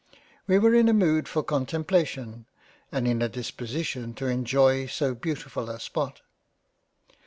We were in a mood for contemplation and in a Disposition to enjoy so beautifull a spot.